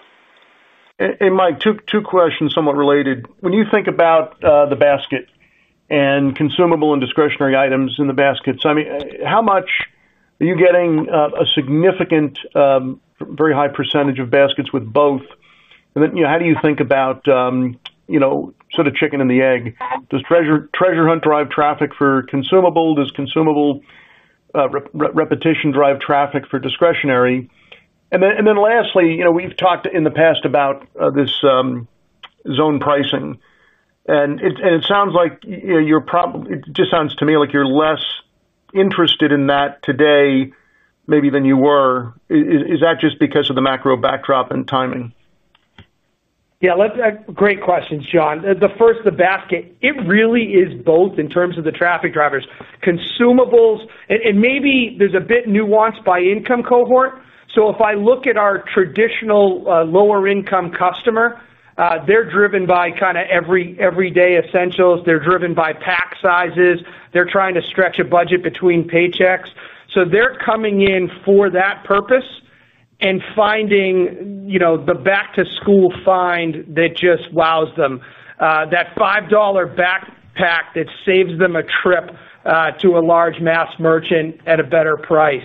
Hey, Mike, two questions somewhat related. When you think about the basket and consumable and discretionary items in the basket, how much are you getting a significant, very high percentage of baskets with both? How do you think about, you know, sort of chicken and the egg? Does treasure hunt drive traffic for consumable? Does consumable repetition drive traffic for discretionary? Lastly, we've talked in the past about this zone pricing. It sounds like you're probably, it just sounds to me like you're less interested in that today maybe than you were. Is that just because of the macro backdrop and timing? Yeah, great questions, John. The first, the basket, it really is both in terms of the traffic drivers. Consumables, and maybe there's a bit nuanced by income cohort. If I look at our traditional lower-income customer, they're driven by kind of everyday essentials. They're driven by pack sizes. They're trying to stretch a budget between paychecks. They're coming in for that purpose and finding, you know, the back-to-school find that just wows them. That $5 backpack that saves them a trip to a large mass merchant at a better price.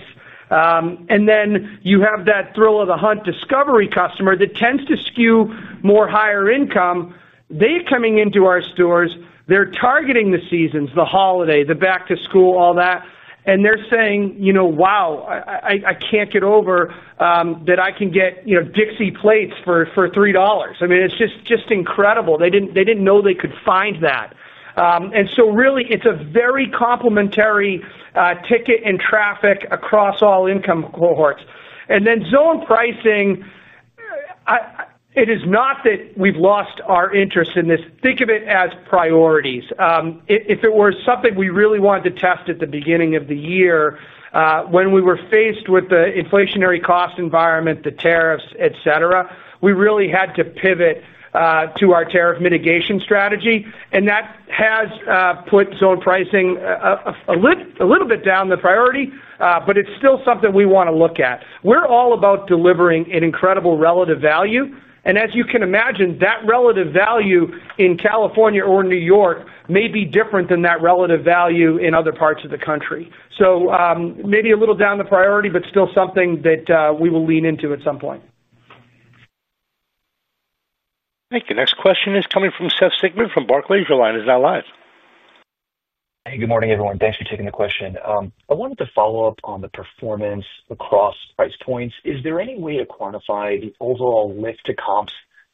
You have that thrill of the hunt discovery customer that tends to skew more higher income. They're coming into our stores. They're targeting the seasons, the holiday, the back-to-school, all that. They're saying, you know, wow, I can't get over that I can get, you know, Dixie plates for $3. I mean, it's just incredible. They didn't know they could find that. It is a very complimentary ticket and traffic across all income cohorts. Zone pricing, it is not that we've lost our interest in this. Think of it as priorities. If it were something we really wanted to test at the beginning of the year, when we were faced with the inflationary cost environment, the tariffs, etc., we really had to pivot to our tariff mitigation strategy. That has put zone pricing a little bit down the priority, but it's still something we want to look at. We're all about delivering an incredible relative value. As you can imagine, that relative value in California or New York may be different than that relative value in other parts of the country. Maybe a little down the priority, but still something that we will lean into at some point. Thank you. Next question is coming from Seth Sigman from Barclays. Your line is now live. Hey, good morning everyone. Thanks for taking the question. I wanted to follow up on the performance across price points. Is there any way to quantify the overall lift to comps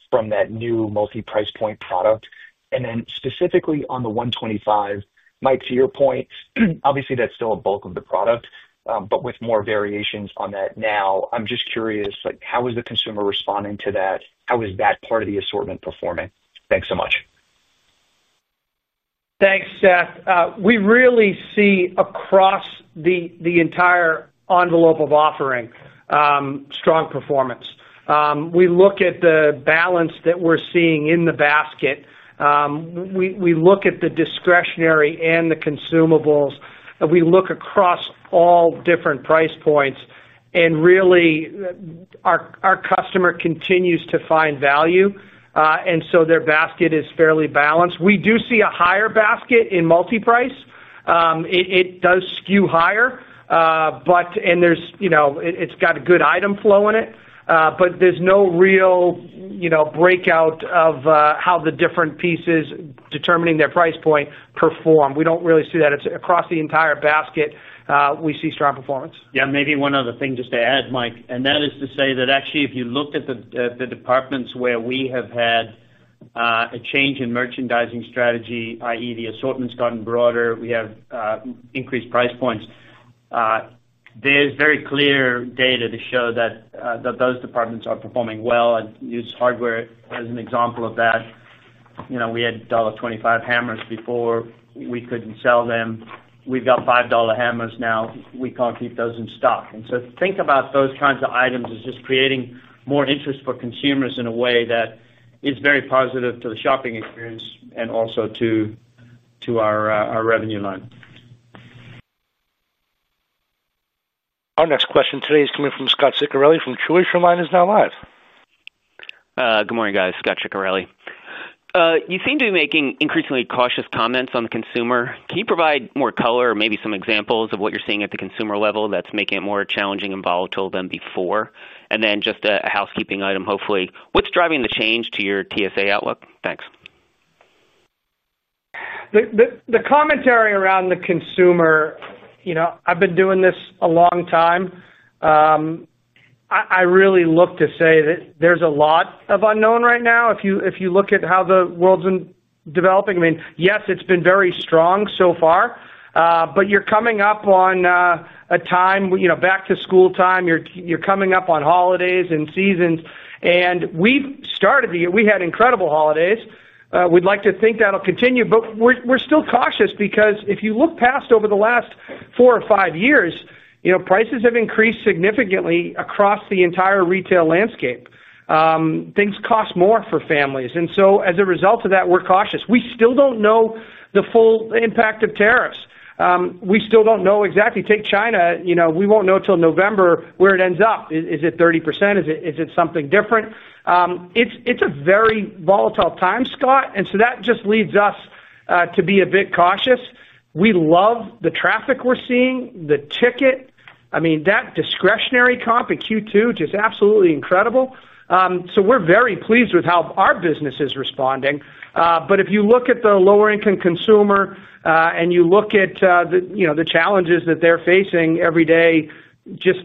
from that new multi-price assortment product? Specifically on the $1.25, Mike, to your point, obviously that's still a bulk of the product, but with more variations on that now, I'm just curious, how is the consumer responding to that? How is that part of the assortment performing? Thanks so much. Thanks, Seth. We really see across the entire envelope of offering strong performance. We look at the balance that we're seeing in the basket. We look at the discretionary and the consumables. We look across all different price points. Our customer continues to find value, and so their basket is fairly balanced. We do see a higher basket in multi-price. It does skew higher. It's got a good item flow in it. There's no real breakout of how the different pieces determining their price point perform. We don't really see that. It's across the entire basket. We see strong performance. Yeah, and maybe one other thing just to add, Mike, and that is to say that actually if you looked at the departments where we have had a change in merchandising strategy, i.e., the assortment's gotten broader, we have increased price points. There is very clear data to show that those departments are performing well. I use hardware as an example of that. You know, we had $1.25 hammers before. We couldn't sell them. We've got $5 hammers now. We can't keep those in stock. Think about those kinds of items as just creating more interest for consumers in a way that is very positive to the shopping experience and also to our revenue line. Our next question today is coming from Scott Ciccarelli from Choice. Your line is now live. Good morning, guys. Scot Ciccarelli. You seem to be making increasingly cautious comments on the consumer. Can you provide more color or maybe some examples of what you're seeing at the consumer level that's making it more challenging and volatile than before? Also, just a housekeeping item, hopefully, what's driving the change to your TSA outlook? Thanks. The commentary around the consumer, you know, I've been doing this a long time. I really look to say that there's a lot of unknown right now. If you look at how the world's been developing, I mean, yes, it's been very strong so far. You're coming up on a time, you know, back-to-school time. You're coming up on holidays and seasons. We've started the year. We had incredible holidays. We'd like to think that'll continue, but we're still cautious because if you look past over the last four or five years, you know, prices have increased significantly across the entire retail landscape. Things cost more for families. As a result of that, we're cautious. We still don't know the full impact of tariffs. We still don't know exactly. Take China, you know, we won't know till November where it ends up. Is it 30%? Is it something different? It's a very volatile time, Scott. That just leads us to be a bit cautious. We love the traffic we're seeing, the ticket. I mean, that discretionary comp in Q2 is just absolutely incredible. We're very pleased with how our business is responding. If you look at the lower-income consumer and you look at the, you know, the challenges that they're facing every day, just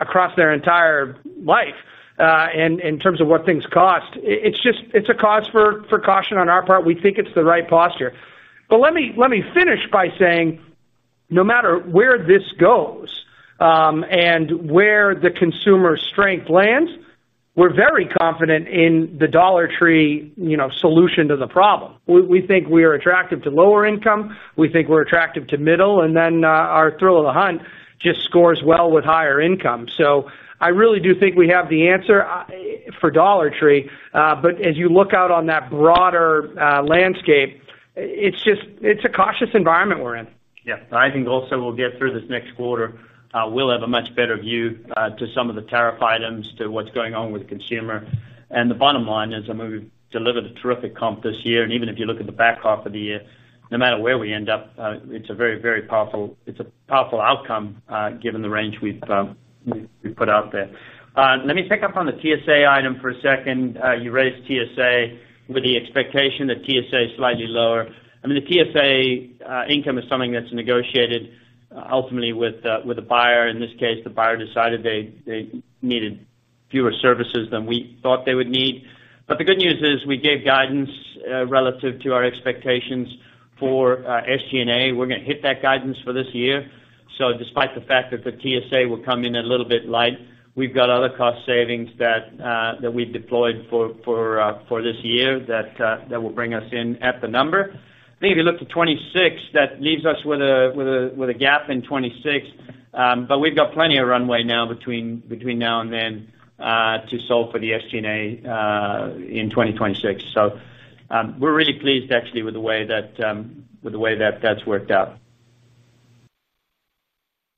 across their entire life, and in terms of what things cost, it's just, it's a cause for caution on our part. We think it's the right posture. Let me finish by saying, no matter where this goes and where the consumer strength lands, we're very confident in the Dollar Tree, you know, solution to the problem. We think we are attractive to lower income. We think we're attractive to middle. Then our thrill of the hunt just scores well with higher income. I really do think we have the answer for Dollar Tree. As you look out on that broader landscape, it's just, it's a cautious environment we're in. Yeah, I think also we'll get through this next quarter. We'll have a much better view to some of the tariff items, to what's going on with the consumer. The bottom line is, I mean, we've delivered a terrific comp this year. Even if you look at the back half of the year, no matter where we end up, it's a very, very powerful, it's a powerful outcome given the range we've put out there. Let me pick up on the TSA item for a second. You raised TSA with the expectation that TSA is slightly lower. I mean, the TSA income is something that's negotiated ultimately with the buyer. In this case, the buyer decided they needed fewer services than we thought they would need. The good news is we gave guidance relative to our expectations for SG&A. We're going to hit that guidance for this year. Despite the fact that the TSA will come in a little bit light, we've got other cost savings that we've deployed for this year that will bring us in at the number. I think if you look to 2026, that leaves us with a gap in 2026. We've got plenty of runway now between now and then to solve for the SG&A in 2026. We're really pleased actually with the way that that's worked out.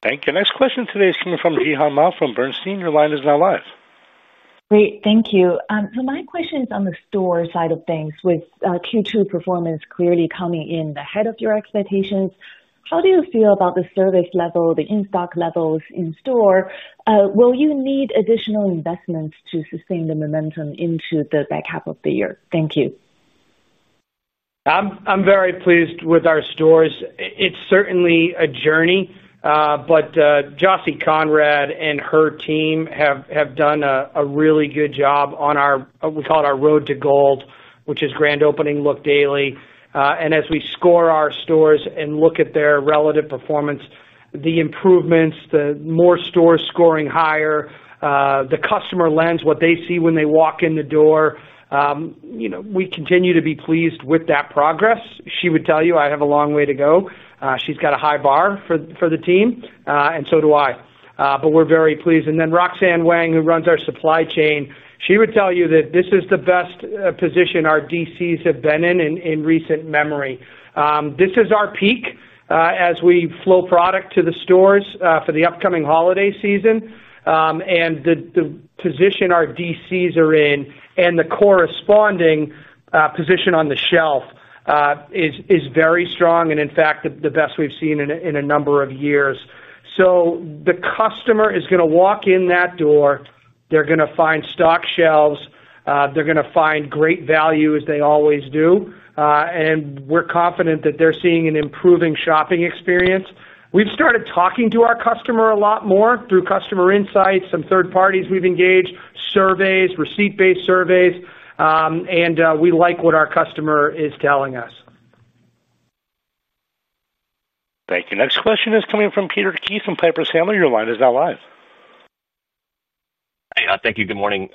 Thank you. Next question today is coming from Gi-Hae Ma from Bernstein. Your line is now live. Great, thank you. My question is on the store side of things, with Q2 performance clearly coming in ahead of your expectations. How do you feel about the service level, the in-stock levels in store? Will you need additional investments to sustain the momentum into the back half of the year? Thank you. I'm very pleased with our stores. It's certainly a journey. Jocy Konrad and her team have done a really good job on our, we call it our road to gold, which is grand opening look daily. As we score our stores and look at their relative performance, the improvements, the more stores scoring higher, the customer lens, what they see when they walk in the door, you know, we continue to be pleased with that progress. She would tell you I have a long way to go. She's got a high bar for the team, and so do I. We're very pleased. Roxanne Wang, who runs our supply chain, would tell you that this is the best position our DCs have been in in recent memory. This is our peak as we flow product to the stores for the upcoming holiday season. The position our DCs are in and the corresponding position on the shelf is very strong and, in fact, the best we've seen in a number of years. The customer is going to walk in that door. They're going to find stock shelves. They're going to find great value, as they always do. We're confident that they're seeing an improving shopping experience. We've started talking to our customer a lot more through customer insights, some third parties we've engaged, surveys, receipt-based surveys. We like what our customer is telling us. Thank you. Next question is coming from Peter Keith from Piper Sandler. Your line is now live. Hey, thank you. Good morning.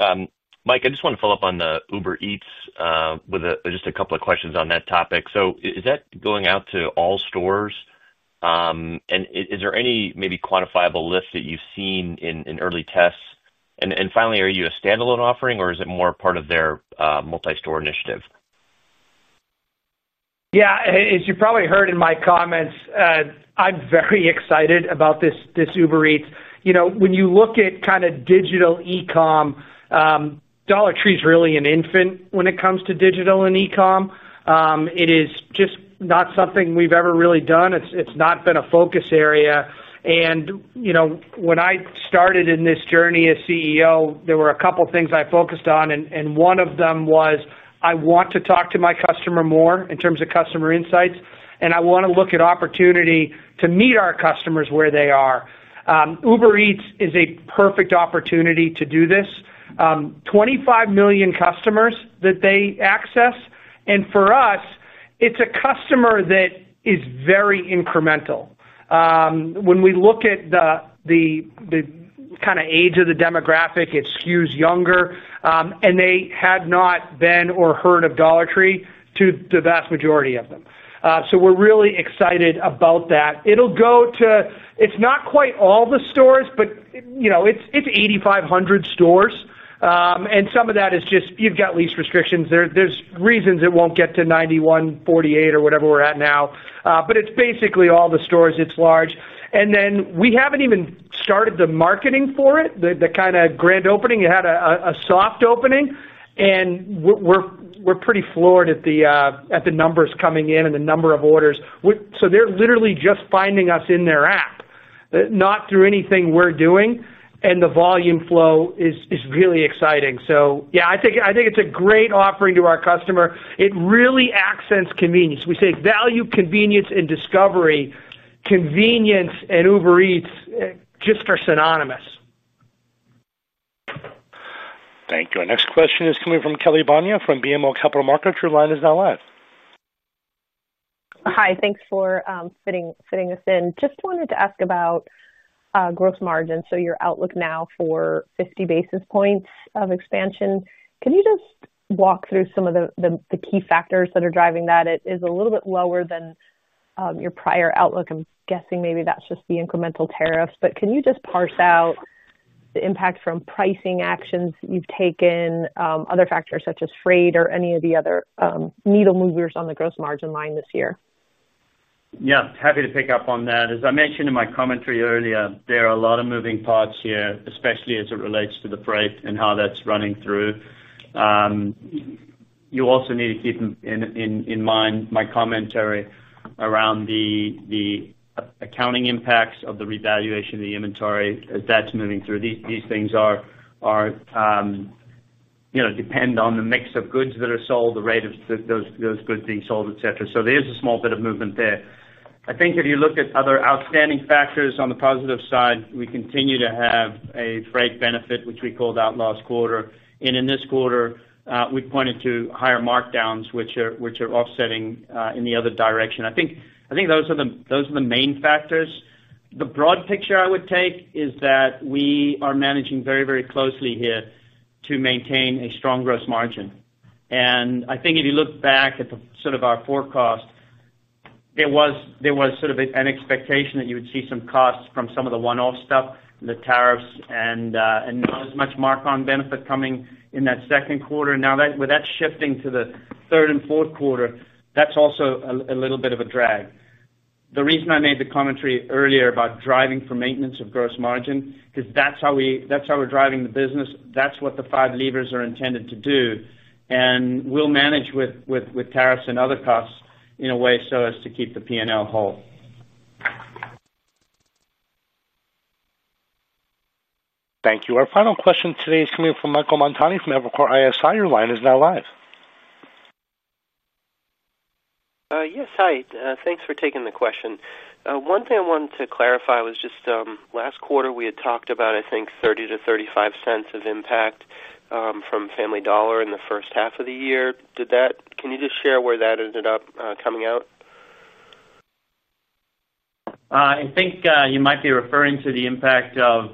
Mike, I just want to follow up on the Uber Eats with just a couple of questions on that topic. Is that going out to all stores? Is there any maybe quantifiable list that you've seen in early tests? Finally, are you a standalone offering, or is it more part of their multi-store initiative? Yeah, as you probably heard in my comments, I'm very excited about this Uber Eats. You know, when you look at kind of digital e-comm, Dollar Tree is really an infant when it comes to digital and e-comm. It is just not something we've ever really done. It's not been a focus area. You know, when I started in this journey as CEO, there were a couple of things I focused on. One of them was I want to talk to my customer more in terms of customer insights. I want to look at opportunity to meet our customers where they are. Uber Eats is a perfect opportunity to do this. 25 million customers that they access. For us, it's a customer that is very incremental. When we look at the kind of age of the demographic, it skews younger. They had not been or heard of Dollar Tree to the vast majority of them. We're really excited about that. It'll go to, it's not quite all the stores, but you know, it's 8,500 stores. Some of that is just, you've got lease restrictions. There's reasons it won't get to 91.48 or whatever we're at now. It's basically all the stores. It's large. We haven't even started the marketing for it, the kind of grand opening. It had a soft opening. We're pretty floored at the numbers coming in and the number of orders. They're literally just finding us in their app, not through anything we're doing. The volume flow is really exciting. Yeah, I think it's a great offering to our customer. It really accents convenience. We say value, convenience, and discovery, convenience and Uber Eats just are synonymous. Thank you. Our next question is coming from Kelly Banya from BMO Capital Markets. Your line is now live. Hi, thanks for fitting us in. Just wanted to ask about gross margins, so your outlook now for 50 basis points of expansion. Can you just walk through some of the key factors that are driving that? It is a little bit lower than your prior outlook. I'm guessing maybe that's just the incremental tariffs, but can you just parse out the impact from pricing actions you've taken, other factors such as freight or any of the other needle movers on the gross margin line this year? Yeah, happy to pick up on that. As I mentioned in my commentary earlier, there are a lot of moving parts here, especially as it relates to the freight and how that's running through. You also need to keep in mind my commentary around the accounting impacts of the revaluation of the inventory that's moving through. These things depend on the mix of goods that are sold, the rate of those goods being sold, etc. There is a small bit of movement there. I think if you look at other outstanding factors on the positive side, we continue to have a freight benefit, which we called out last quarter. In this quarter, we pointed to higher markdowns, which are offsetting in the other direction. I think those are the main factors. The broad picture I would take is that we are managing very, very closely here to maintain a strong gross margin. I think if you look back at the sort of our forecast, there was sort of an expectation that you would see some costs from some of the one-off stuff, the tariffs, and as much mark-on benefit coming in that second quarter. Now that with that shifting to the third and fourth quarter, that's also a little bit of a drag. The reason I made the commentary earlier about driving for maintenance of gross margin is because that's how we're driving the business. That's what the five levers are intended to do. We'll manage with tariffs and other costs in a way so as to keep the P&L whole. Thank you. Our final question today is coming from Michael Montani from Evercore ISI. Your line is now live. Yes, hi. Thanks for taking the question. One thing I wanted to clarify was just last quarter we had talked about, I think, $0.30- $0.35 of impact from Family Dollar in the first half of the year. Can you just share where that ended up coming out? I think you might be referring to the impact of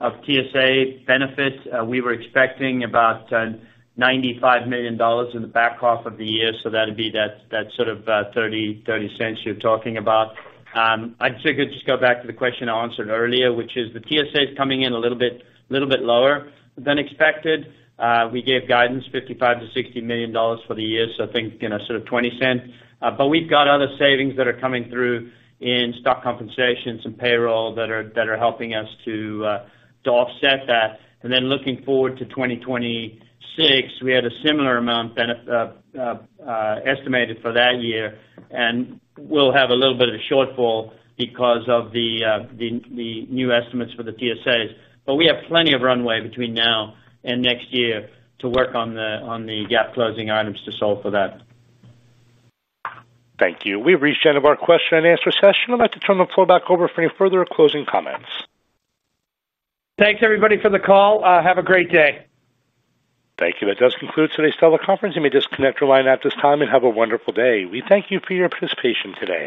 TSA benefits. We were expecting about $95 million in the back half of the year. That would be that sort of $0.30 you're talking about. I would figure just go back to the question I answered earlier, which is the TSA is coming in a little bit lower than expected. We gave guidance of $55-$60 million for the year. I think, you know, sort of $0.20. We've got other savings that are coming through in stock compensations and payroll that are helping us to offset that. Looking forward to 2026, we had a similar amount estimated for that year. We will have a little bit of a shortfall because of the new estimates for the TSAs. We have plenty of runway between now and next year to work on the gap closing items to solve for that. Thank you. We've reached the end of our question and answer session. I'd like to turn the floor back over for any further closing comments. Thanks, everybody, for the call. Have a great day. Thank you. That does conclude today's teleconference. You may disconnect your line at this time and have a wonderful day. We thank you for your participation today.